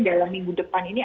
dalam minggu depan ini